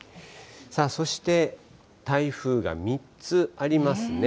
そして、台風が３つありますね。